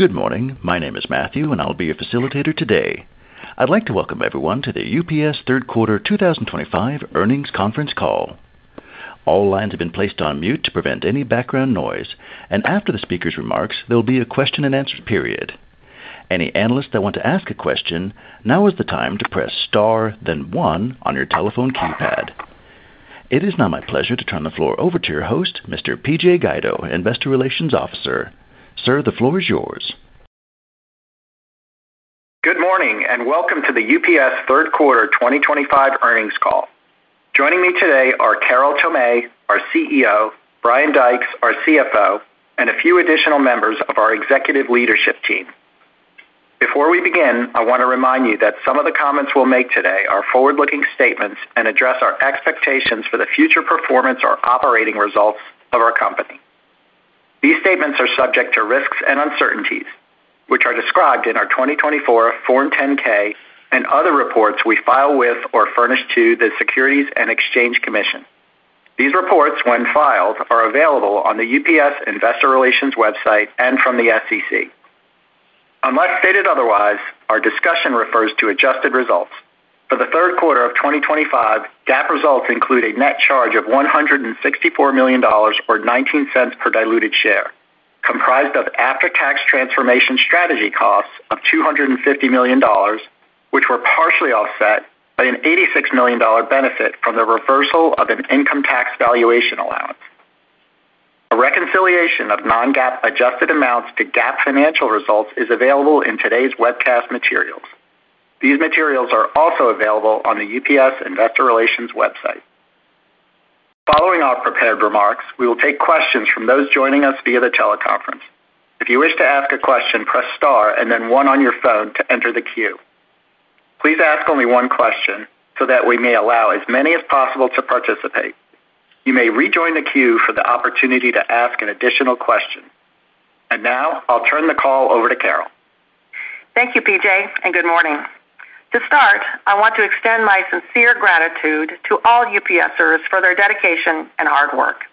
Good morning. My name is Matthew and I'll be your facilitator today. I'd like to welcome everyone to the UPS third quarter 2025 earnings conference call. All lines have been placed on mute to prevent any background noise. After the speaker's remarks, there will be a question and answer period. Any analysts that want to ask a question, now is the time to press star, then one on your telephone keypad. It is now my pleasure to turn the floor over to your host, Mr. PJ Guido, Investor Relations Officer. Sir, the floor is yours. Good morning and welcome to the UPS third quarter 2025 earnings call. Joining me today are Carol Tomé, our CEO, Brian Dykes, our CFO, and a few additional members of our executive leadership team. Before we begin, I want to remind you that some of the comments we'll make today are forward-looking statements and address our expectations for the future performance or operating results of our company. These statements are subject to risks and uncertainties which are described in our 2024 Form 10-K and other reports we file with or furnish to the Securities and Exchange Commission. These reports, when filed, are available on the UPS Investor Relations website and from the SEC. Unless stated otherwise, our discussion refers to adjusted results for the third quarter of 2025. GAAP results include a net charge of $164 million or $0.19 per diluted share, comprised of after-tax transformation strategy costs of $250 million, which were partially offset by an $86 million benefit from the reversal of an income tax valuation allowance. A reconciliation of non-GAAP adjusted amounts to GAAP financial results is available in today's webcast materials. These materials are also available on the UPS Investor Relations website. Following our prepared remarks, we will take questions from those joining us via the teleconference. If you wish to ask a question, press star and then one on your phone to enter the queue. Please ask only one question so that we may allow as many as possible to participate. You may rejoin the queue for the opportunity to ask an additional question. Now I'll turn the call over to Carol. Thank you, PJ, and good morning. To start, I want to extend my sincere gratitude to all UPSers for their dedication and hard work.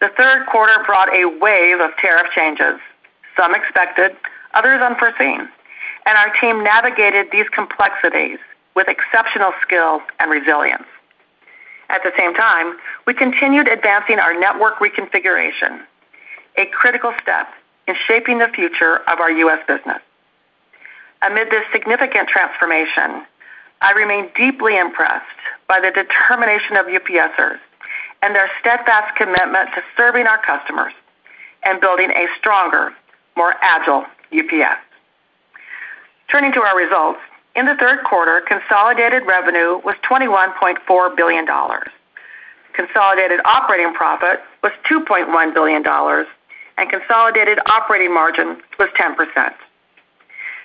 The third quarter brought a wave of tariff changes, some expected, others unforeseen, and our team navigated these complexities with exceptional skill and resilience. At the same time, we continued advancing our network reconfiguration, a critical step in shaping the future of our U.S. business. Amid this significant transformation, I remain deeply impressed by the determination of UPSers and their steadfast commitment to serving our customers and building a stronger, more agile UPS. Turning to our results in the third quarter, consolidated revenue was $21.4 billion, consolidated operating profit was $2.1 billion, and consolidated operating margin was 10%.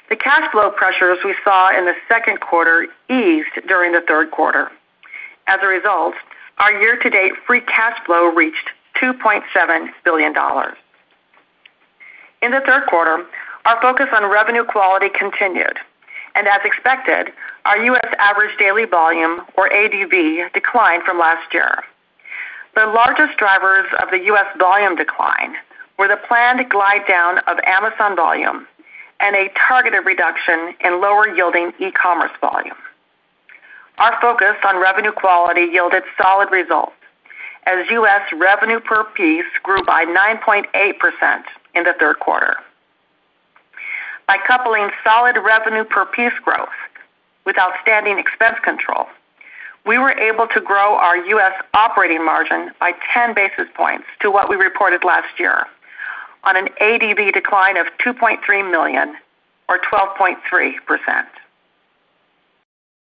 The cash flow pressures we saw in the second quarter eased during the third quarter. As a result, our year-to-date free cash flow reached $2.7 billion. In the third quarter, our focus on revenue quality continued and, as expected, our U.S. average daily volume, or ADV, declined from last year. The largest drivers of the U.S. volume decline were the planned glide-down of Amazon volume and a targeted reduction in lower-yielding e-commerce volume. Our focus on revenue quality yielded solid results as U.S. revenue per piece grew by 9.8% in the third quarter. By coupling solid revenue per piece growth with outstanding expense control, we were able to grow our U.S. operating margin by 10 basis points to what we reported last year on an ADV decline of 2.3 million, or 12.3%.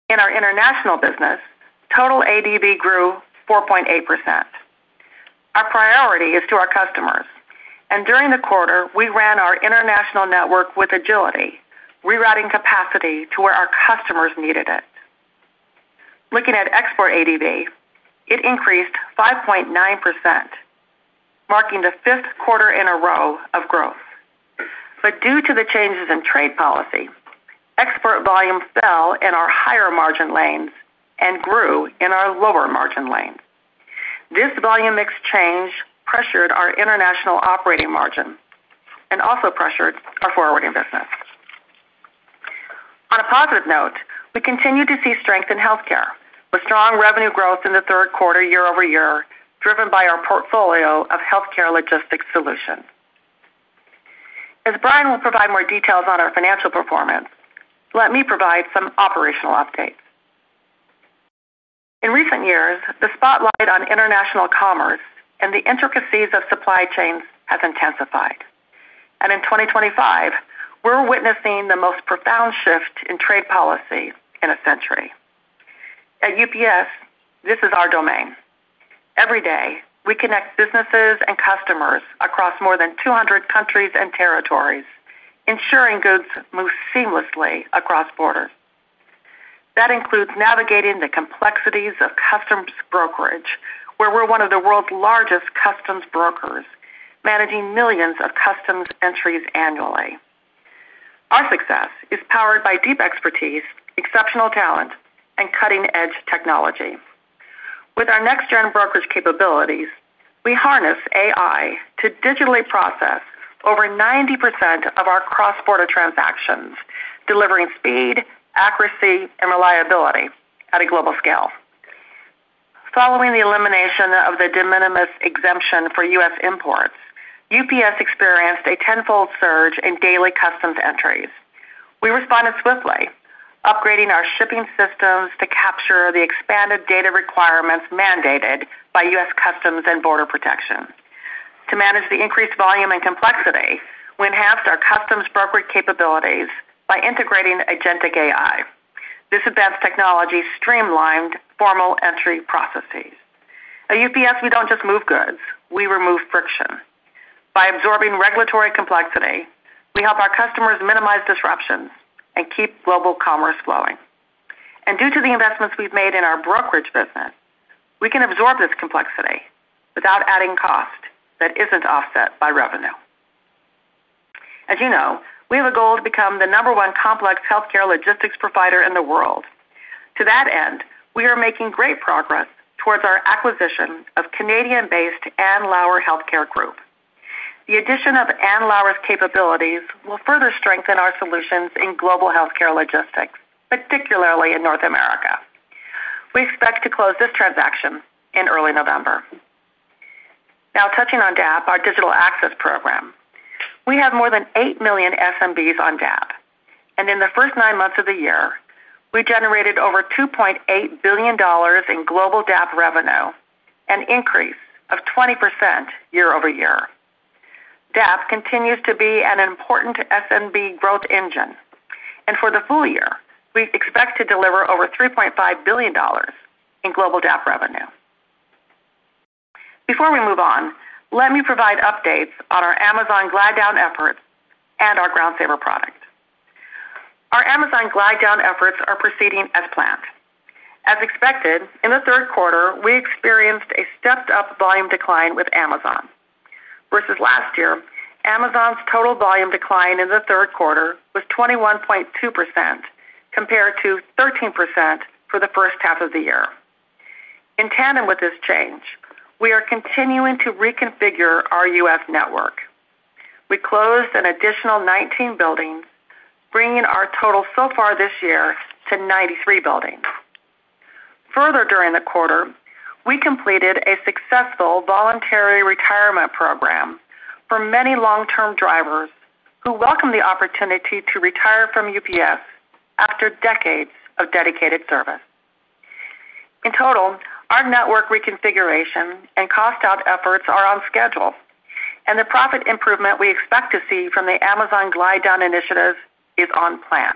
In our international business, total ADV grew 4.8%. Our priority is to our customers, and during the quarter we ran our international network with agility, rerouting capacity to where our customers needed it. Looking at export ADV, it increased 5.9%, marking the fifth quarter in a row of growth. Due to the changes in trade policy, export volume fell in our higher margin lanes and grew in our lower margin lanes. This volume mix change pressured our international operating margin and also pressured our forwarding business. On a positive note, we continue to see strength in healthcare with strong revenue growth in the third quarter year-over-year, driven by our portfolio of healthcare logistics solutions. As Brian will provide more details on our financial performance, let me provide some operational updates. In recent years, the spotlight on international commerce and the intricacies of supply chains has intensified, and in 2025 we're witnessing the most profound shift in trade policy in a century. At UPS, this is our domain. Every day we connect businesses and customers across more than 200 countries and territories, ensuring goods move seamlessly across borders. That includes navigating the complexities of customs brokerage, where we're one of the world's largest customs brokers, managing millions of customs entries annually. Our success is powered by deep expertise, exceptional talent, and cutting-edge technology. With our next-gen brokerage capabilities, we harness AI to digitally process over 90% of our cross-border transactions, delivering speed, accuracy, and reliability at a global scale. Following the elimination of the de minimis exemption for U.S. imports, UPS experienced a tenfold surge in daily customs entries. We responded swiftly, upgrading our shipping systems to capture the expanded data requirements mandated by U.S. Customs and Border Protection. To manage the increased volume and complexity, we enhanced our customs brokerage capabilities by integrating gentic AI. This advanced technology streamlined formal entry processes. At UPS, we don't just move goods, we remove friction. By absorbing regulatory complexity, we help our customers minimize disruptions and keep global commerce flowing. Due to the investments we've made in our brokerage business, we can absorb this complexity without adding cost that isn't offset by revenue. As you know, we have a goal to become the number one complex healthcare logistics provider in the world. To that end, we are making great progress towards our acquisition of Canadian-based Andlauer Healthcare Group. The addition of Andlauer's capabilities will further strengthen our solutions in global healthcare logistics, particularly in North America. We expect to close this transaction in early November. Now touching on DAP, our Digital Access Program. We have more than 8 million SMBs on DAP, and in the first nine months of the year we generated over $2.8 billion in global DAP revenue, an increase of 20% year-over-year. DAP continues to be an important SMB growth engine, and for the full year we expect to deliver over $3.5 billion in global DAP revenue. Before we move on, let me provide updates on our Amazon glide-down efforts and our Ground Saver product. Our Amazon glide-down efforts are proceeding as planned, as expected. In the third quarter, we experienced a stepped-up volume decline with Amazon versus last year. Amazon's total volume decline in the third quarter was 21.2% compared to 13% for the first half of the year. In tandem with this change, we are continuing to reconfigure our U.S. network. We closed an additional 19 buildings, bringing our total so far this year to 93 buildings. Further, during the quarter, we completed a successful voluntary retirement program for many long-term drivers who welcomed the opportunity to retire from UPS after decades of dedicated service. In total, our network reconfiguration and cost-out efforts are on schedule, and the profit improvement we expect to see from the Amazon glide-down Initiative is on plan.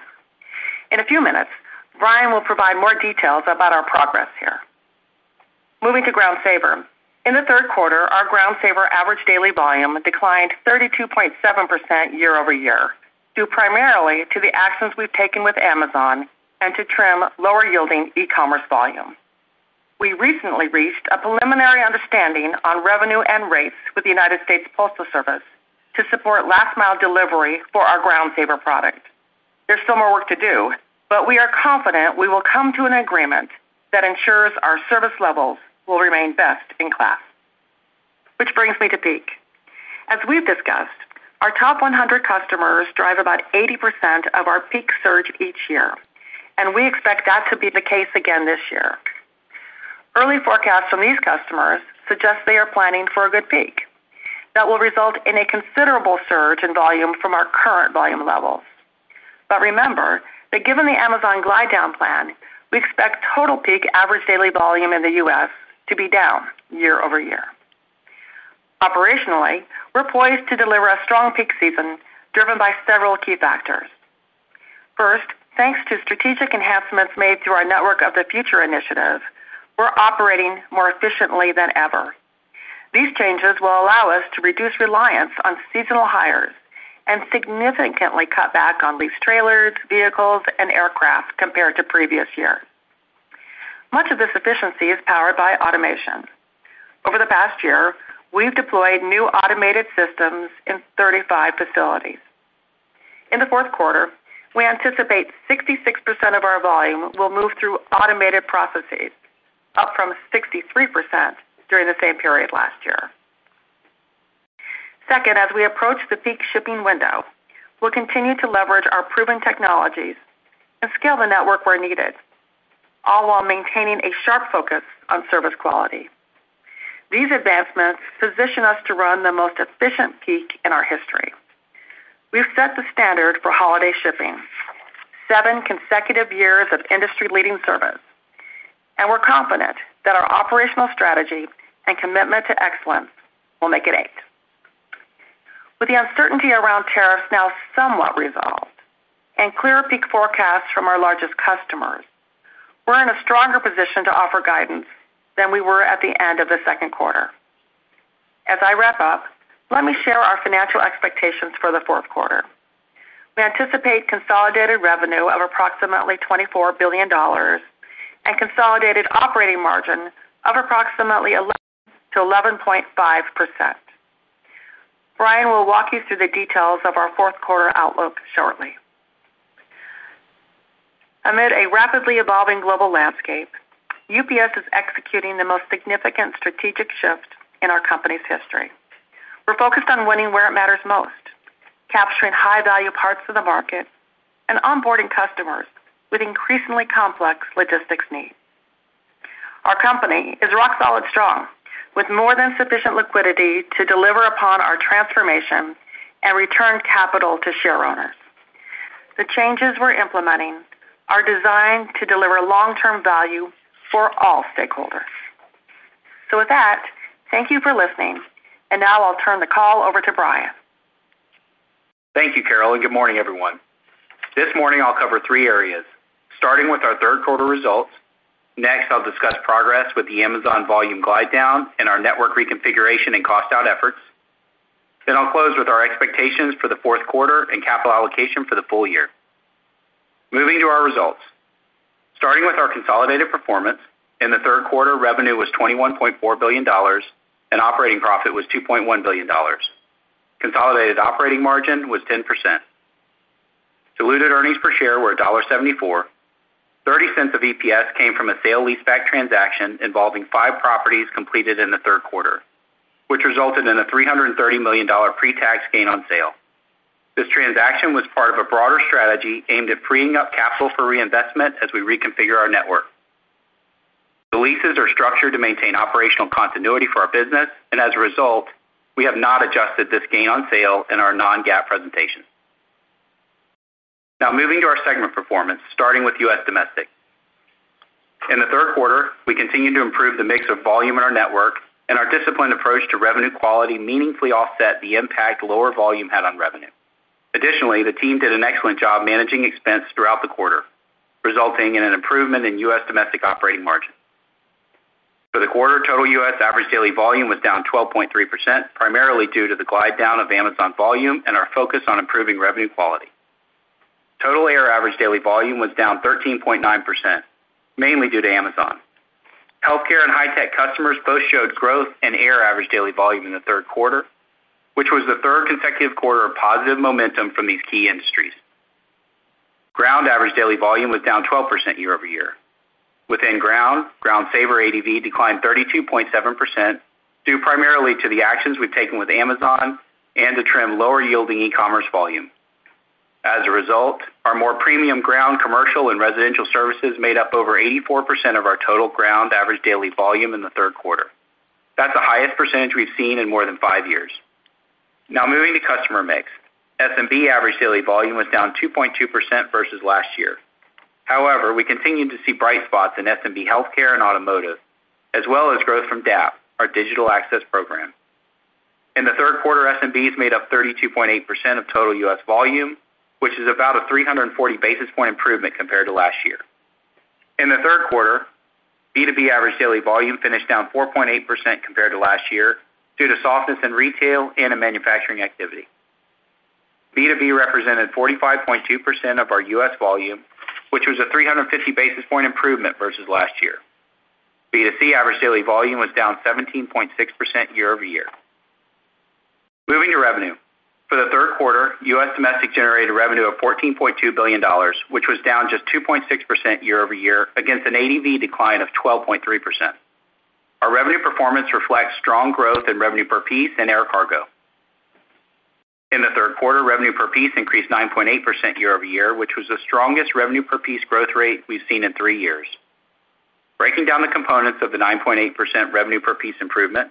In a few minutes, Brian will provide more details about our progress here. Moving to Ground Saver, in the third quarter, our Ground Saver average daily volume declined 32.7% year-over-year. Due primarily to the actions we've taken with Amazon and to trim lower-yielding e-commerce volume, we recently reached a preliminary understanding on revenue and rates with the United States Postal Service to support last-mile delivery for our Ground Saver product. There's still more work to do, but we are confident we will come to an agreement that ensures our service levels will remain best in class. Which brings me to peak. As we've discussed, our top 100 customers drive about 80% of our peak surge each year, and we expect that to be the case again this year. Early forecasts from these customers suggest they are planning for a good peak that will result in a considerable surge in volume from our current volume levels. Remember that given the Amazon glide-down plan, we expect total peak average daily volume in the U.S. to be down year-over-year. Operationally, we're poised to deliver a strong peak season, driven by several key factors. First, thanks to strategic enhancements made through our Network of the Future initiative, we're operating more efficiently than ever. These changes will allow us to reduce reliance on seasonal hires and significantly cut back on leased trailers, vehicles, and aircraft. Compared to previous years, much of this efficiency is powered by automation. Over the past year, we've deployed new automated systems in 35 facilities. In the fourth quarter, we anticipate 66% of our volume will move through automated processes, up from 63% during the same period last year. Second, as we approach the peak shipping window, we'll continue to leverage our proven technologies and scale the network where needed, all while maintaining a sharp focus on service quality. These advancements position us to run the most efficient peak in our history. We've set the standard for holiday shipping, seven consecutive years of industry-leading service, and we're confident that our operational strategy and commitment to excellence will make it eight. With the uncertainty around tariffs now somewhat resolved and a clearer peak forecast from our largest customers, we're in a stronger position to offer guidance than we were at the end of the second quarter. As I wrap up, let me share our financial expectations for the fourth quarter. We anticipate consolidated revenue of approximately $24 billion and consolidated operating margin of approximately 11.5%. Brian will walk you through the details of our fourth quarter outlook shortly. Amid a rapidly evolving global landscape, UPS is executing the most significant strategic shift in our company's history. We're focused on winning where it matters most, capturing high-value parts of the market and onboarding customers with increasingly complex logistics needs. Our company is rock solid strong with more than sufficient liquidity to deliver upon our transformation and return capital to share owners. The changes we're implementing are designed to deliver long-term value for all stakeholders. Thank you for listening. Now I'll turn the call over to Brian. Thank you, Carol, and good morning, everyone. This morning I'll cover three areas, starting with our third quarter results. Next, I'll discuss progress with the Amazon volume glide-down and our network reconfiguration and cost out efforts. I'll close with our expectations for the fourth quarter and capital allocation for the full year. Moving to our results, starting with our consolidated performance in the third quarter. Revenue was $21.4 billion, and operating profit was $2.1 billion. Consolidated operating margin was 10%. Diluted earnings per share were $1.74. $0.30 of EPS came from a sale leaseback transaction involving five properties completed in the third quarter, which resulted in a $330 million pretax gain on sale. This transaction was part of a broader strategy aimed at freeing up capital for reinvestment as we reconfigure our network. The leases are structured to maintain operational continuity for our business, and as a result, we have not adjusted this gain on sale in our non-GAAP presentation. Now, moving to our segment performance, starting with U.S. Domestic. In the third quarter, we continued to improve the mix of volume in our network, and our disciplined approach to revenue quality meaningfully offset the impact lower volume had on revenue. Additionally, the team did an excellent job managing expense throughout the quarter, resulting in an improvement in U.S. Domestic operating margin for the quarter. Total U.S. average daily volume was down 12.3%, primarily due to the glide-down of Amazon volume and our focus on improving revenue quality. Total air average daily volume was down 13.9%, mainly due to Amazon. Healthcare and high tech customers both showed growth in air average daily volume in the third quarter, which was the third consecutive quarter of positive momentum from these key industries. Ground average daily volume was down 12% year-over-year. Within ground, Ground Saver ADV declined 32.7% due primarily to the actions we've taken with Amazon and to trim lower yielding e-commerce volume. As a result, our more premium ground commercial and residential services made up over 84% of our total ground average daily volume in the third quarter. That's the highest percentage we've seen in more than five years. Now, moving to customer mix, SMB average daily volume was down 2.2% versus last year. However, we continue to see bright spots in SMB, healthcare, and automotive, as well as growth from DAP, our Digital Access Program. In the third quarter, SMBs made up 32.8% of total U.S. volume, which is about a 340 basis point improvement compared to last year. In the third quarter, B2B average daily volume finished down 4.8% compared to last year due to softness in retail and in manufacturing activity. B2B represented 45.2% of our U.S. volume, which was a 350 basis point improvement versus last year. B2C average daily volume was down 17.6% year-over-year. Moving to revenue for the third quarter, U.S. domestic generated revenue of $14.2 billion, which was down just 2.6% year-over-year against an ADV decline of 12.3%. Our revenue performance reflects strong growth in revenue per piece and air cargo. In the third quarter, revenue per piece increased 9.8% year-over-year, which was the strongest revenue per piece growth rate we've seen in three years. Breaking down the components of the 9.8% revenue per piece improvement,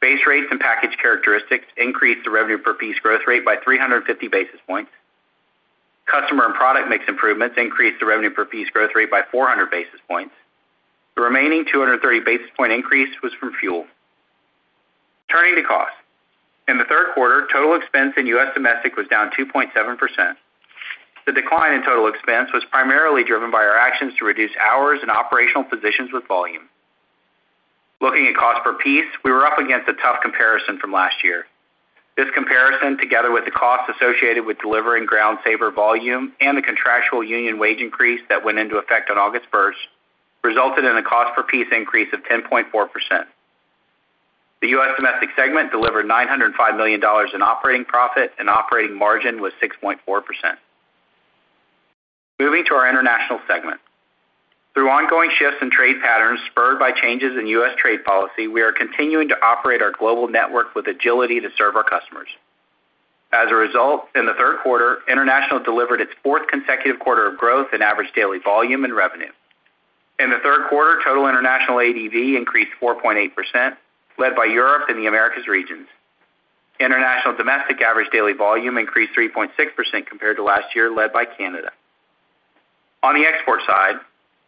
base rates and package characteristics increased the revenue per piece growth rate by 350 basis points. Customer and product mix improvements increased the revenue per piece growth rate by 400 basis points. The remaining 230 basis point increase was from fuel. Turning to costs. In the third quarter, total expense in U.S. domestic was down 2.7%. The decline in total expense was primarily driven by our actions to reduce hours and operational positions with volume. Looking at cost per piece, we were up against a tough comparison from last year. This comparison, together with the costs associated with delivering Ground Saver volume and the contractual union wage increase that went into effect on August 1st, resulted in a cost per piece increase of 10.4%. The U.S. domestic segment delivered $905 million in operating profit and operating margin was 6.4%. Moving to our international segment, through ongoing shifts in trade patterns spurred by changes in U.S. trade policy, we are continuing to operate our global network with agility to serve our customers. As a result, in the third quarter, International delivered its fourth consecutive quarter of growth in average daily volume and revenue. In the third quarter, total international ADV increased 4.8%, led by Europe and the Americas regions. International domestic average daily volume increased 3.6% compared to last year, led by Canada. On the export side,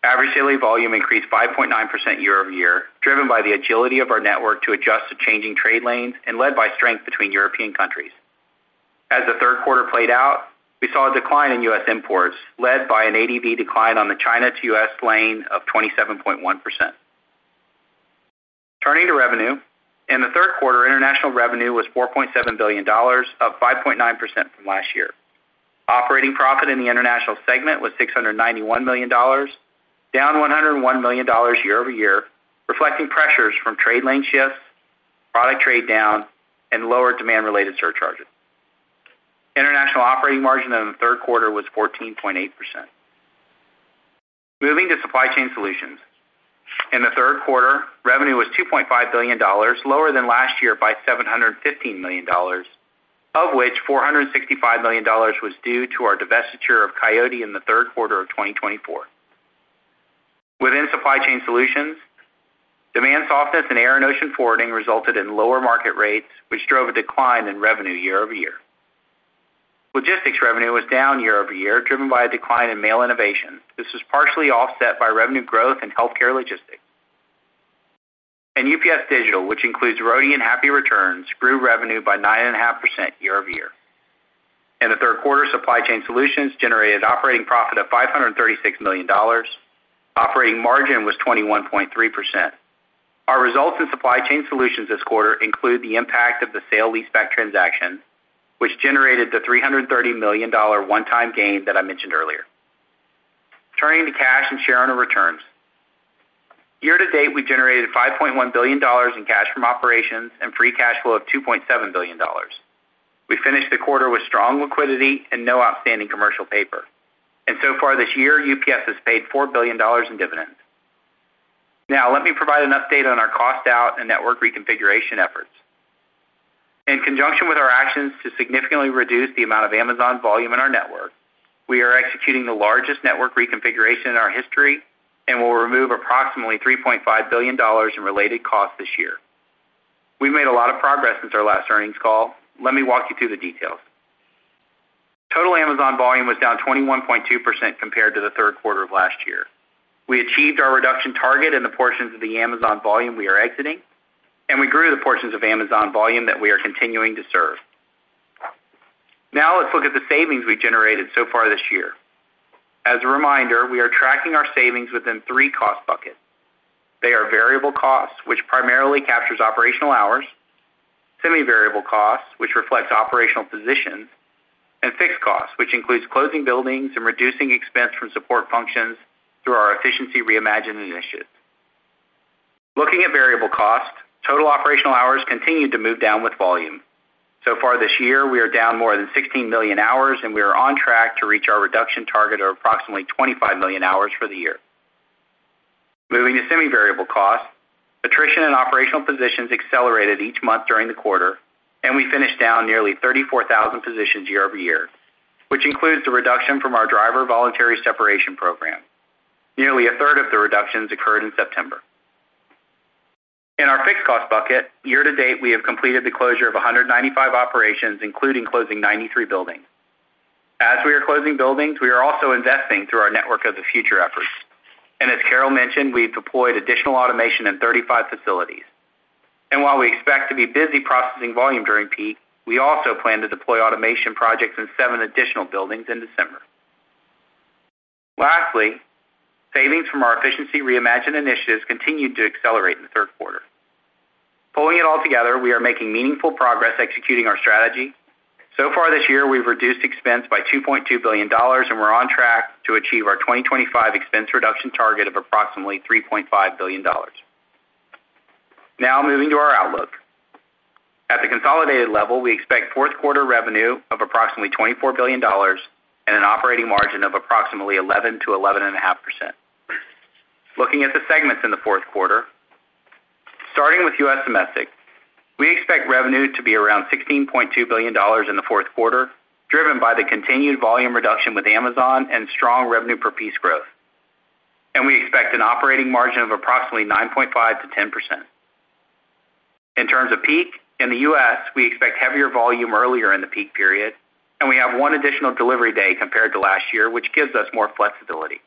average daily volume increased 5.9% year-over-year, driven by the agility of our network to adjust to changing trade lanes and led by strength between European countries. As the third quarter played out, we saw a decline in U.S. imports, led by an ADV decline on the China to U.S. lane of 27.1%. Turning to revenue in the third quarter, international revenue was $4.7 billion, up 5.9% from last year. Operating profit in the international segment was $691 million, down $101 million year-over-year, reflecting pressures from trade lane shifts, product trade down, and lower demand-related surcharges. International operating margin in the third quarter was 14.8%. Moving to Supply Chain Solutions. In the third quarter, revenue was $2.5 billion, lower than last year by $715 million, of which $465 million was due to our divestiture of Coyote in the third quarter of 2024. Within Supply Chain Solutions, demand softness in air and ocean forwarding resulted in lower market rates, which drove a decline in revenue year-over-year. Logistics revenue was down year-over-year, driven by a decline in mail innovation. This was partially offset by revenue growth in healthcare logistics and UPS Digital, which includes Rhodian. Happy Returns grew revenue by 9.5% year-over-year. In the third quarter, Supply Chain Solutions generated operating profit of $536 million. Operating margin was 21.3%. Our results in Supply Chain Solutions this quarter include the impact of the sale leaseback transaction, which generated the $330 million one-time gain that I mentioned earlier. Turning to cash and shareowner returns, year to date we generated $5.1 billion in cash from operations and free cash flow of $2.7 billion. We finished the quarter with strong liquidity and no outstanding commercial paper, and so far this year UPS has paid $4 billion in dividends. Now let me provide an update on our cost out and network reconfiguration efforts. In conjunction with our actions to significantly reduce the amount of Amazon volume in our network, we are executing the largest network reconfiguration in our history and will remove approximately $3.5 billion in related costs this year. We made a lot of progress since our last earnings call. Let me walk you through the details. Total Amazon volume was down 21.2% compared to the third quarter of last year. We achieved our reduction target in the portions of the Amazon volume we are exiting, and we grew the portions of Amazon volume that we are continuing to serve. Now let's look at the savings we generated so far this year. As a reminder, we are tracking our savings within three cost buckets. They are variable costs, which primarily captures operational hours, semi-variable costs, which reflects operational positions, and fixed costs, which includes closing buildings and reducing expense from support functions through our efficiency reimagine initiative. Looking at variable cost, total operational hours continued to move down with volume. So far this year, we are down more than 16 million hours, and we are on track to reach our reduction target of approximately 25 million hours for the year. Moving to semi-variable costs, attrition in operational positions accelerated each month during the quarter, and we finished down nearly 34,000 positions year-over-year, which includes the reduction from our driver voluntary separation program. Nearly a third of the reductions occurred in September. In our fixed cost bucket, year to date, we have completed the closure of 195 operations, including closing 93 buildings. As we are closing buildings, we are also investing through our Network of the Future efforts, and as Carol mentioned, we've deployed additional automation in 35 facilities. While we expect to be busy processing volume during peak, we also plan to deploy automation projects in seven additional buildings in December. Lastly, savings from our efficiency reimagined initiatives continued to accelerate in the third quarter. Pulling it all together, we are making meaningful progress executing our strategy. So far this year, we've reduced expense by $2.2 billion, and we're on track to achieve our 2025 expense reduction target of approximately $3.5 billion. Now, moving to our outlook at the consolidated level, we expect fourth quarter revenue of approximately $24 billion and an operating margin of approximately 11%-11.5%. Looking at the segments in the fourth quarter, starting with U.S. domestic, we expect revenue to be around $16.2 billion in the fourth quarter, driven by the continued volume reduction with Amazon and strong revenue per piece growth, and we expect an operating margin of approximately 9.5%-10%. In terms of peak. In the U.S., we expect heavier volume earlier in the peak period, and we have one additional delivery day compared to last year, which gives us more flexibility.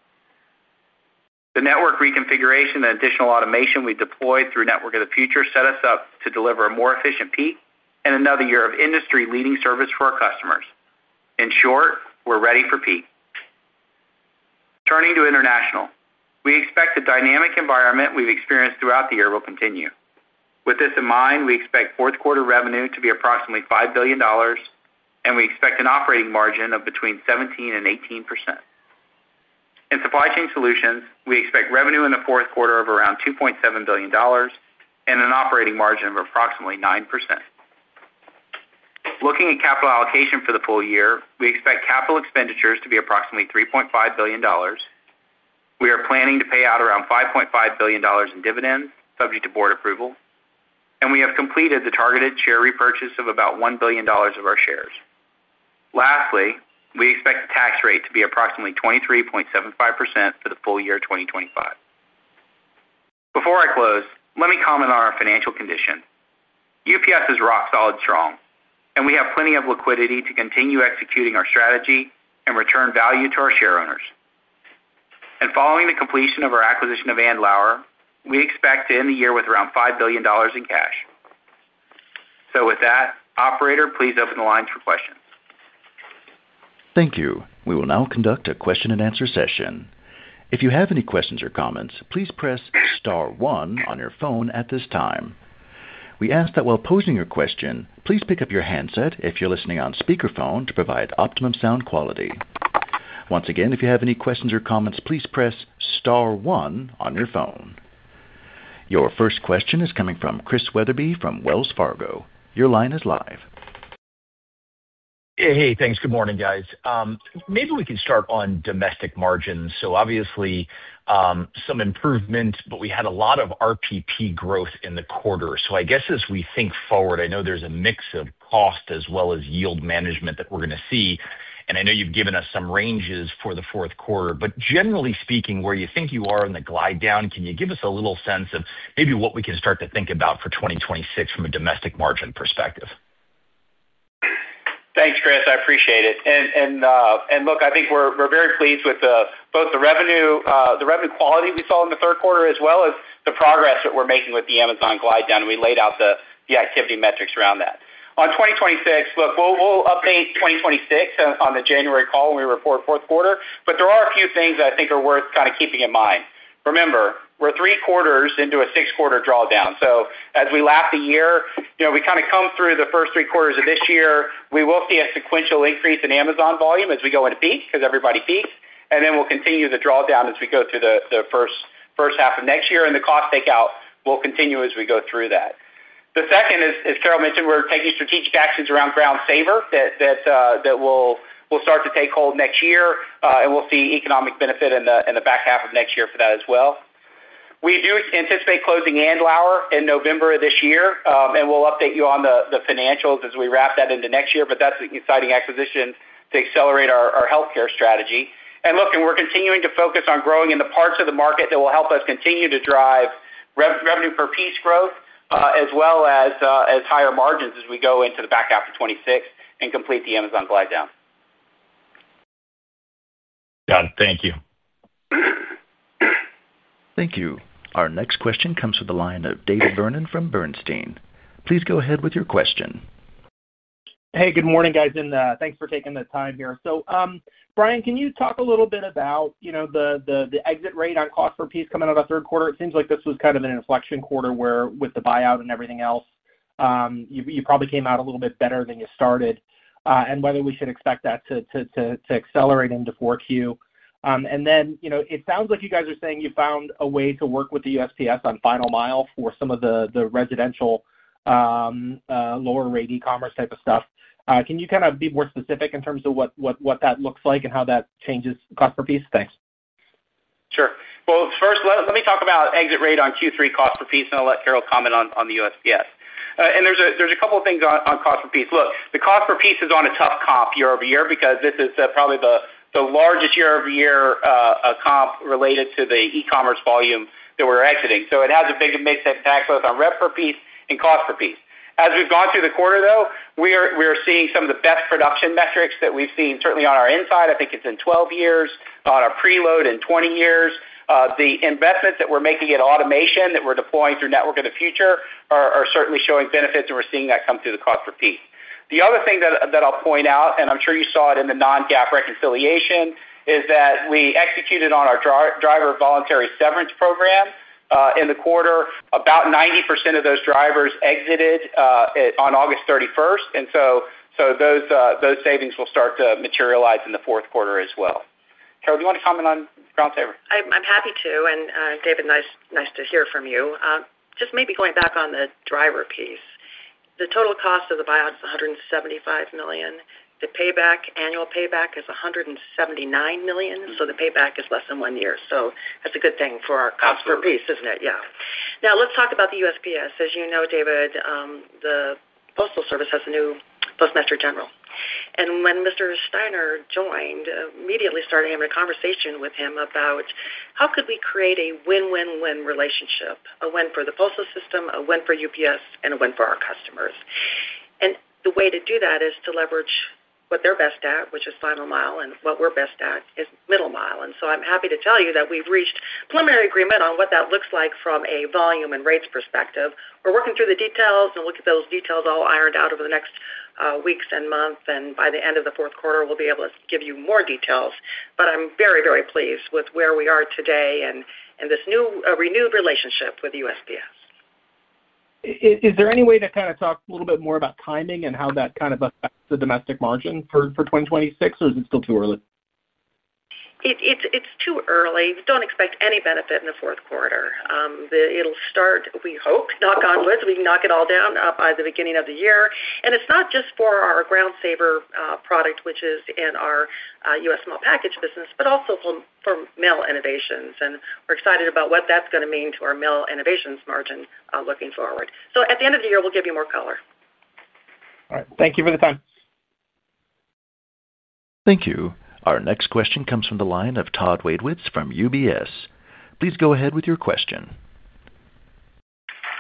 The network reconfiguration and additional automation we deployed through Network of the Future set us up to deliver a more efficient peak and another year of industry-leading service for our customers. In short, we're ready for peak. Turning to international, we expect the dynamic environment we've experienced throughout the year will continue. With this in mind, we expect fourth quarter revenue to be approximately $5 billion, and we expect an operating margin of between 17% and 18%. In Supply Chain Solutions, we expect revenue in the fourth quarter of around $2.7 billion and an operating margin of approximately 9%. Looking at capital allocation for the full year, we expect capital expenditures to be approximately $3.5 billion. We are planning to pay out around $5.5 billion in dividends subject to board approval, and we have completed the targeted share repurchase of about $1 billion of our shares. Lastly, we expect the tax rate to be approximately 23.75% for the full year 2025. Before I close, let me comment on our financial condition. UPS is rock solid strong, and we have plenty of liquidity to continue executing our strategy and return value to our shareowners. Following the completion of our acquisition of Andlauer Healthcare Group, we expect to end the year with around $5 billion in cash. Operator, please open the lines for questions. Thank you. We will now conduct a question and answer session. If you have any questions or comments, please press star one on your phone at this time. We ask that while posing your question, please pick up your handset if you're listening on speakerphone to provide optimum sound quality. Once again, if you have any questions or comments, please press star one on your phone. Your first question is coming from Chris Weatherbee from Wells Fargo. Your line is live. Hey, thanks. Good morning, guys. Maybe we can start on domestic margins. Obviously some improvement, but we had a lot of revenue per piece growth in the quarter. I guess as we think forward, I know there's a mix of cost as well as yield management that we're going to see. I know you've given us some ranges for the fourth quarter, but generally speaking, where you think you are in the glide-down, can you give us a little sense of maybe what we can start to think about for 2026 from a domestic margin perspective? Thanks, Chris, I appreciate it. I think we're very pleased with both the revenue, the revenue quality we saw in the third quarter as well as the progress that we're making with the Amazon glide-down. We laid out the activity metrics around that on 2026. We'll update 2026 on the January call when we report fourth quarter. There are a few things that I think are worth kind of keeping in mind. Remember, we're three quarters into a six quarter drawdown. As we lap the year, you know, we kind of come through the first three quarters of this year, we will see a sequential increase in Amazon volume as we go into peak because everybody peaks. We'll continue the drawdown as we go through the first half of next year and the cost takeout will continue as we go through that. The second is, as Carol mentioned, we're taking strategic actions around Ground Saver that will start to take hold next year and we'll see economic benefit in the back half of next year for that as well. We do anticipate closing Andlauer Healthcare Group in November of this year and we'll update you on the financials as we wrap that into next year. That's an exciting acquisition to accelerate our healthcare strategy. We're continuing to focus on growing in the parts of the market that will help us continue to drive revenue per piece growth as well as higher margins as we go into the back half of 2026 and complete the Amazon glide-down. Got it. Thank you. Thank you. Our next question comes from the line of David Vernon from Bernstein. Please go ahead with your question. Hey, good morning guys and thanks for taking the time here. So Brian, can you talk a little bit about, you know, the exit rate on cost per piece coming out of the third quarter? It seems like this was kind of an inflection quarter where with the buyout and everything else you probably came out a little bit better than you started and whether we should expect that to accelerate into 4Q. It sounds like you guys are saying you found a way to work with the USPS on final mile for some of the residential lower rate e-commerce type of stuff. Can you kind of be more specific in terms of what that looks like and how that changes cost per piece? Thanks. Sure. First, let me talk about exit rate on Q3 cost per piece and I'll let Carol comment on the USPS. There are a couple of things on cost. Look, the cost per piece is on a tough comp year-over-year because this is probably the largest year-over-year comp related to the e-commerce volume that we're exiting. It has a big mix impact both on rep per piece and cost per piece. As we've gone through the quarter, we are seeing some of the best production metrics that we've seen, certainly on our inside, I think it's in 12 years, on our preload, in 20 years. The investments that we're making at automation that we're deploying through Network of the Future are certainly showing benefits and we're seeing that come through the cost per piece. The other thing that I'll point out, and I'm sure you saw it in the non-GAAP reconciliation, is that we executed on our driver voluntary severance program in the quarter. About 90% of those drivers exited on August 31, and those savings will start to materialize in the fourth quarter as well. Carol, do you want to comment on Ground Saver? I'm happy to. David, nice to hear from you. Just maybe going back on the driver piece, the total cost of the buyout is $175 million. The payback, annual payback is $179 million. The payback is less than one year. That's a good thing for our cost per piece, isn't it? Yeah. Now let's talk about the United States Postal Service. As you know, David, the Postal Service has a new Postmaster General, and when Mr. Steiner joined, I immediately started having a conversation with him about how we could create a win-win-win relationship: a win for the Postal Service system, a win for UPS, and a win for our customers. The way to do that is to leverage what they're best at, which is final mile, and what we're best at, which is middle mile. I'm happy to tell you that we've reached preliminary agreement on what that looks like from a volume and rates perspective. We're working through the details and we'll get those details all ironed out over the next weeks and months, and by the end of the fourth quarter we'll be able to give you more details. I'm very, very pleased with where we are today and this new renewed relationship with the United States Postal Service. Is there any way to talk a little bit more about timing and how that affects the domestic margin for 2026, or is it still too early? It's too early. Don't expect any benefit in the fourth quarter. It'll start, we hope, knock on wood. We knock it all down by the beginning of the year. It's not just for our Ground Saver product, which is in our package business, but also for Mail Innovations. We're excited about what that's going to mean to our Mail Innovations margin looking forward. At the end of the year, we'll give you more color. All right. Thank you for the time. Thank you. Our next question comes from the line of Tom Wadewitz from UBS. Please go ahead with your question.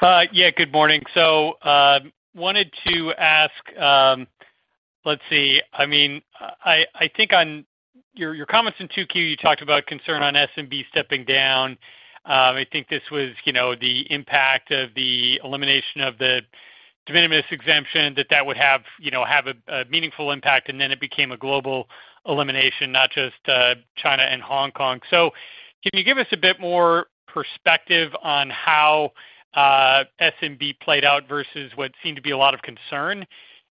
Yeah. Good morning. I wanted to ask, I mean, I think on your comments in 2Q you talked about concern on SMB stepping down. I think this was the impact of the elimination of the de minimis exemption that would have a meaningful impact. It became a global elimination, not just China and Hong Kong. Can you give us a bit more perspective on how SMB played out versus what seemed to be a lot of concern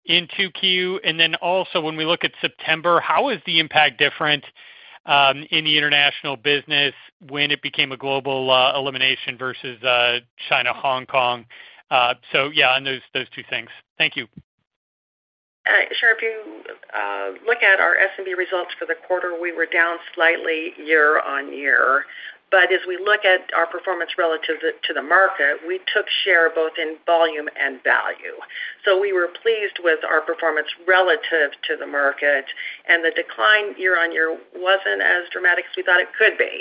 in 2Q? When we look at September, how is the impact different in the international business when it became a global elimination versus China, Hong Kong? Those two things. Thank you. Sure. If you look at our S&P results for the quarter, we were down slightly year on year, but as we look at our performance relative to the market, we took share both in volume and value. We were pleased with our performance relative to the market. The decline year on year was not as dramatic as we thought it could be.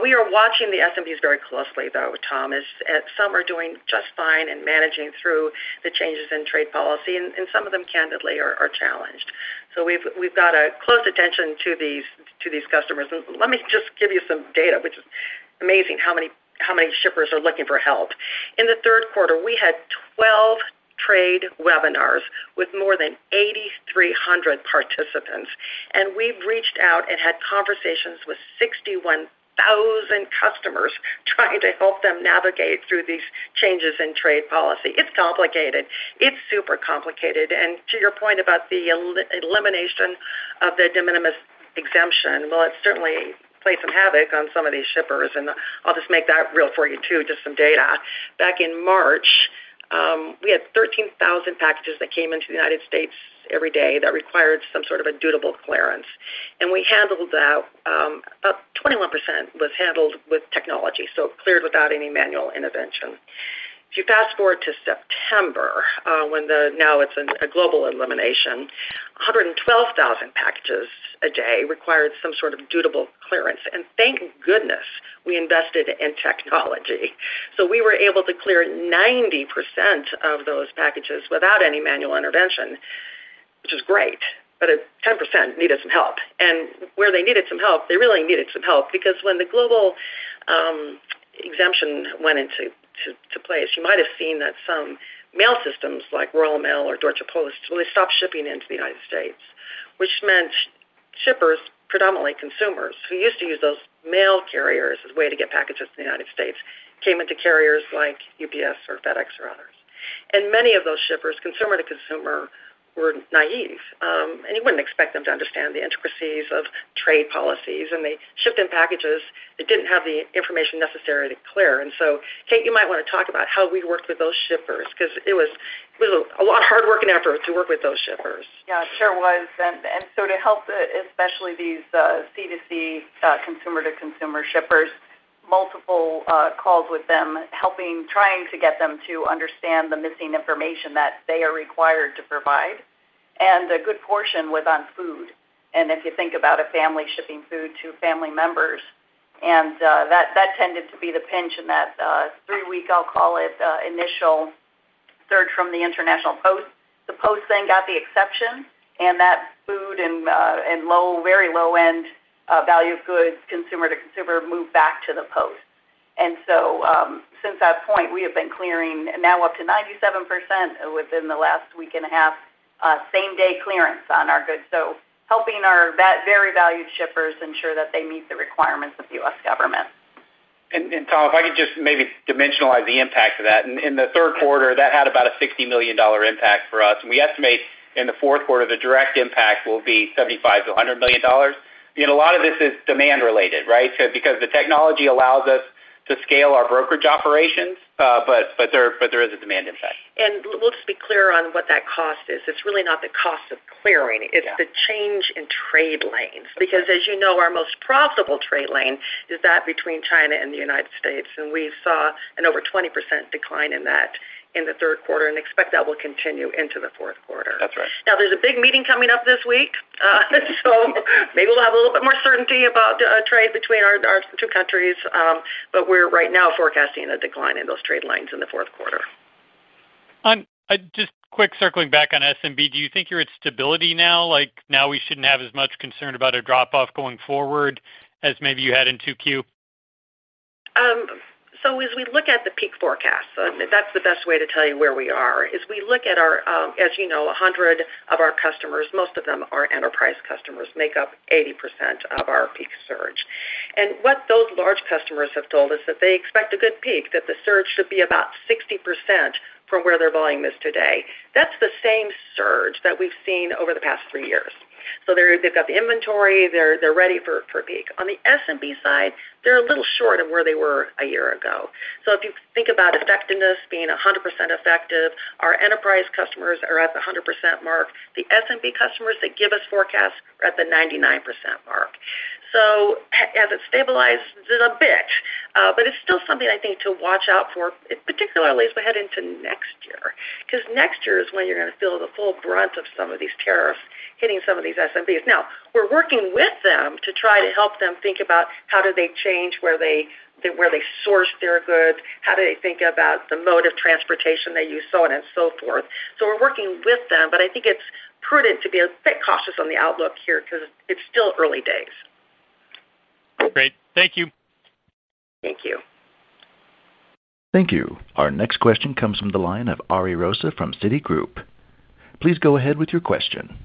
We are watching the SMBs very closely though, Thomas. Some are doing just fine and managing through the changes in trade policy, and some of them, candidly, are challenged. We have got close attention to these customers. Let me just give you some data, which is amazing. How many shippers are looking for help? In the third quarter, we had 12 trade webinars with more than 8,300 participants. We reached out and had conversations with 61,000 customers trying to help them navigate through these changes in trade policy. It is complicated. It is super complicated. To your point about the elimination of the de minimis, it certainly played some havoc on some of these shippers. I will just make that real for you too. Just some data. Back in March, we had 13,000 packages that came into the United States every day that required some sort of a dutiable clearance, and we handled that. About 21% was handled with technology, so cleared without any manual intervention. If you fast forward to September, when now it is a global elimination, 112,000 packages a day required some sort of dutiable clearance. Thank goodness we invested in technology, so we were able to clear 90% of those packages without any manual intervention, which is great. 10% needed some help, and where they needed some help, they really needed some help. When the global exemption went into place, you might have seen that some mail systems like Royal Mail or Deutsche Post, shipping into the United States, meant shippers, predominantly consumers who used to use those mail carriers as a way to get packages to the United States, came into carriers like UPS or FedEx or others. Many of those shippers, consumer to consumer, were naive and you would not expect them to understand the intricacies of trade policies. They shipped in packages that did not have the information necessary to clear. Kate, you might want to talk about how we worked with those shippers because it was a lot of hard work and effort to work with those shippers. Yeah, it sure was. To help especially these C2C consumer-to-consumer shippers, multiple calls with them, helping, trying to get them to understand the missing information that they are required to provide. A good portion was on food. If you think about a family shipping food to family members, that tended to be the pinch in that three-week, I'll call it initial surge from the international Post. The Post then got the exception, and that food and very low-end value of goods, consumer-to-consumer, moved back to the Post. Since that point, we have been clearing now up to 97% within the last week and a half, same-day clearance on our goods. Helping our very valued shippers ensure that they meet the requirements of the U.S. government. Tom, if I could just maybe dimensionalize the impact of that. In the third quarter, that had about a $60 million impact for us. We estimate in the fourth quarter the direct impact will be $75 million-$100 million. A lot of this is demand related, right, because the technology allows us to scale our brokerage operations. There is a demand impact. We'll just be clear on what that cost is. It's really not the cost of clearing, it's the change in trade lane. As you know, our most profitable trade lane is that between China and the United States. We saw an over 20% decline in that in the third quarter and expect that will continue into the fourth quarter. Right now, there's a big meeting coming up this week, so maybe we'll have a little bit more certainty about trade between our two countries. We're right now forecasting a decline in those trade lanes in the fourth quarter. Just quick, circling back on SMB. Do you think you're at stability now? Like now, we shouldn't have as much concern about a drop off going forward as maybe you had in 2Q. As we look at the peak forecast, that's the best way to tell you where we are. As we look at our, as you know, 100 of our customers, most of them are enterprise customers, make up 80% of our peak surge. What those large customers have told us is that they expect a good peak, that the surge should be about 60% from where their volume is today. That's the same surge that we've seen over the past three years. They've got the inventory, they're ready for peak. On the SMB side, they're a little short of where they were a year ago. If you think about effectiveness being 100% effective, our enterprise customers are at the 100% mark. The SMB customers that give us forecasts are at the 99% mark. Has it stabilized? A bit. It's still something I think to watch out for, particularly as we head into next year. Next year is when you're going to feel the full brunt of some of these tariffs hitting some of these SMBs. We're working with them to try to help them think about how do they change where they source their goods, how do they think about the mode of transportation they use, so on and so forth. We're working with them. I think it's prudent to be a bit cautious on the outlook here because it's still early days. Great, thank you. Thank you. Thank you. Our next question comes from the line of Ari Rosa from Citigroup. Please go ahead with your question.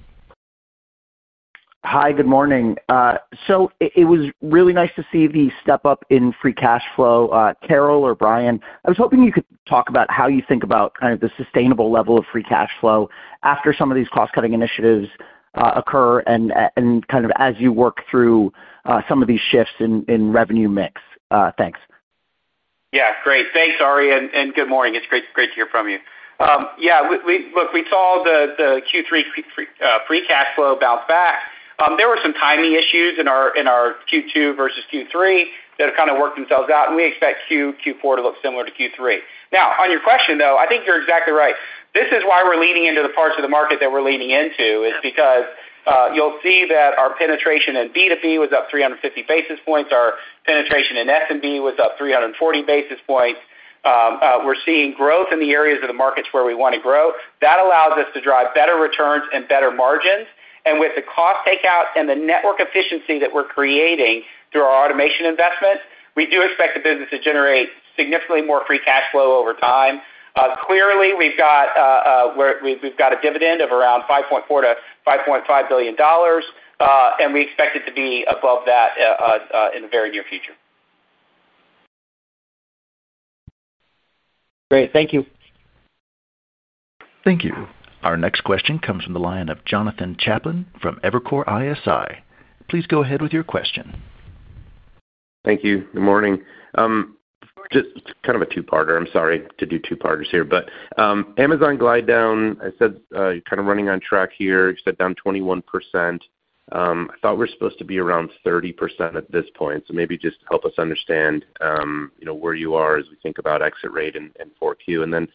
Hi, good morning. It was really nice to see the step up in free cash flow. Carol or Brian, I was hoping you could talk about how you think about kind of the sustainable level of free cash flow after some of these cost cutting initiatives occur and as you work through some of these shifts in revenue mix. Thanks. Yeah, great. Thanks, Ari. Good morning. It's great to hear from you. We saw the Q3 free cash flow bounce back. There were some timing issues in our Q2 versus Q3 that worked themselves out and we expect Q4 to look similar to Q3. On your question, I think you're exactly right. This is why we're leaning into the parts of the market that we're leaning into because you'll see that our penetration in B2B was up 350 basis points. Our penetration in SMB was up 340 basis points. We're seeing growth in the areas of the markets where we want to grow that allows us to drive better returns and better margins. With the cost takeout and the network efficiency that we're creating through our automation investment, we do expect the business to generate significantly more free cash flow over time. Clearly we've got a dividend of around $5.4 billion-$5.5 billion and we expect it to be above that in the very near future. Great, thank you. Thank you. Our next question comes from the line of Jonathan Chappell from Evercore ISI. Please go ahead with your question. Thank you. Good morning. Just kind of a two parter. I'm sorry to do two parters here, but Amazon glide-down. I said you're kind of running on track here. Said down 21%. I thought we're supposed to be around 30% at this point. Maybe just help us understand where you are as we think about exit rate and 4Q. Then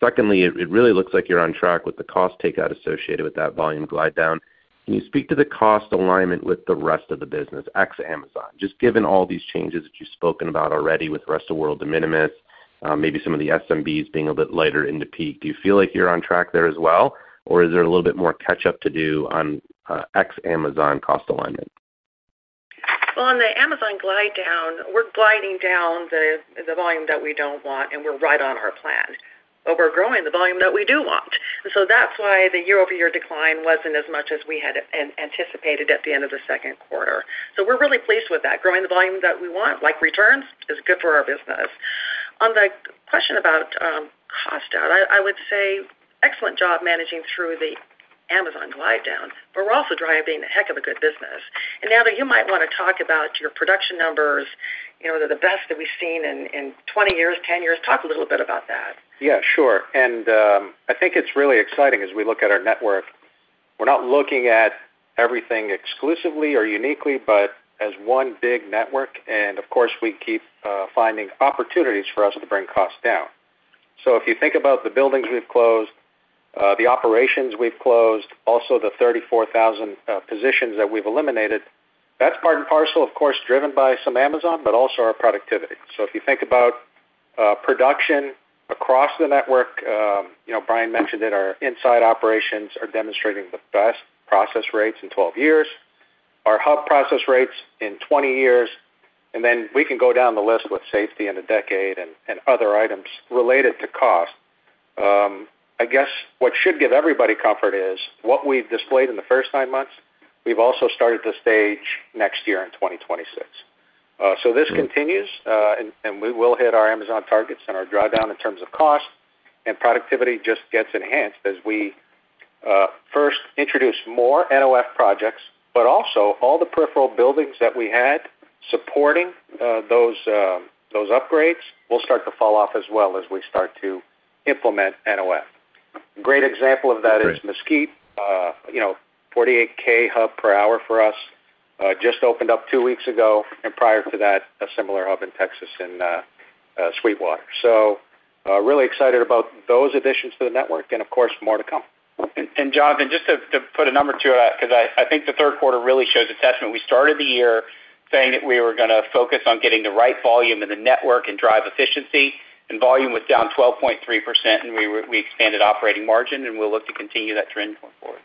secondly, it really looks like you're on track with the cost takeout associated with that volume glide-down. Can you speak to the cost alignment with the rest of the business ex Amazon, just given all these changes that you've spoken about already with rest of world de minimis, maybe some of the SMBs being a bit lighter into peak? Do you feel like you're on track there as well or is there a little bit more catch up to do on ex Amazon cost alignment? On the Amazon glide-down, we're gliding down the volume that we don't want and we're right on our plan over growing the volume that we do want. That's why the year-over-year decline wasn't as much as we had anticipated at the end of the second quarter. We're really pleased with that. Growing the volume that we want, like returns, is good for our business. On the question about cost out, I would say excellent job managing through the Amazon glide-down, but we're also driving a heck of a good business. Nando, you might want to talk about your production numbers. You know they're the best that we've seen in 20 years, 10 years. Talk a little bit about that. Yeah, sure. I think it's really exciting as we look at our network. We're not looking at everything exclusively or uniquely, but as one big network. Of course, we keep finding opportunities for us to bring costs down. If you think about the buildings we've closed, the operations we've closed, also the 34,000 positions that we've eliminated, that's part and parcel, of course, driven by some Amazon, but also our productivity. If you think about production across the network, you know, Brian mentioned that our inside operations are demonstrating the best process rates in 12 years, our hub process rates in 20 years, and then we can go down the list with safety in a decade and other items related to cost. What should give everybody comfort is what we've displayed in the first nine months. We've also started the stage next year in 2026. This continues and we will hit our Amazon targets and our drawdown in terms of cost and productivity just gets enhanced as we first introduce more NoF projects. Also, all the peripheral buildings that we had supporting those upgrades will start to fall off as we start to implement NoF. A great example of that is Mesquite. You know, 48,000 hub per hour for us just opened up two weeks ago and prior to that a similar hub in Texas in Sweetwater. Really excited about those additions to the network and, of course, more to come. Jonathan, just to put a number to it because I think the third quarter really shows a testament. We started the year saying that we were going to focus on getting the right volume in the network and drive efficiency and volume was down 12.3% and we expanded operating margin and we'll look to continue that trend going forward.